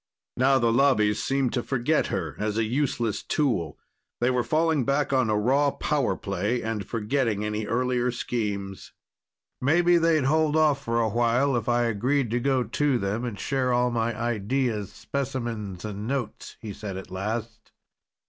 Now the Lobbies seemed to forget her as a useless tool. They were falling back on a raw power play and forgetting any earlier schemes. "Maybe they'd hold off for a while if I agreed to go to them and share all my ideas, specimens and notes," he said at last.